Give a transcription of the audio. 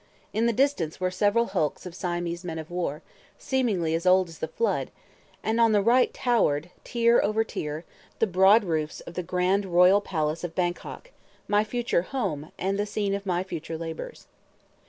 In the distance were several hulks of Siamese men of war, seemingly as old as the flood; and on the right towered, tier over tier, the broad roofs of the grand Royal Palace of Bangkok, my future "home" and the scene of my future labors.